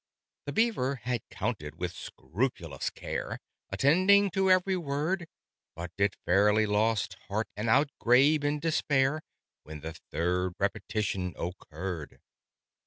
The Beaver had counted with scrupulous care, Attending to every word: But it fairly lost heart, and outgrabe in despair, When the third repetition occurred.